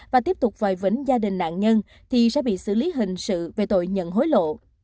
và tiếp tục vòi vĩnh gia đình nạn nhân thì sẽ bị xử lý hình sự về tội nhận hối lộ